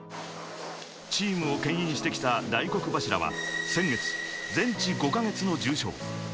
チームをけん引してきた大黒柱は先月、全治５か月の重傷。